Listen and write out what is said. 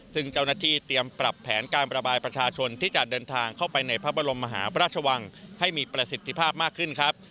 ซึ่งเจ้าหน้าที่เตรียมปรับแผนการประบายประชาชนที่จะเดินทางเข้าไปในพระบรมมหาพระราชวังให้มีประสิทธิภาพมากขึ้นครับ